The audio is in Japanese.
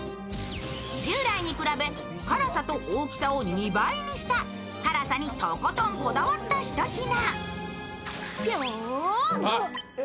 従来に比べ辛さと大きさを２倍にした辛さにとことんこだわったひと品。